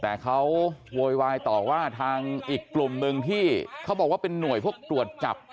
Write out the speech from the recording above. แต่เขาโวยวายต่อว่าทางอีกกลุ่มหนึ่งที่เขาบอกว่าเป็นหน่วยพวกตรวจจับ